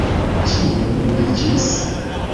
Ĉio nuliĝis.